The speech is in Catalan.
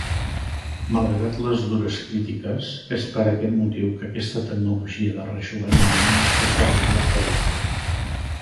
Malgrat les dures crítiques, és per aquest motiu que aquesta tecnologia de rejoveniment es fa servir en l'actualitat.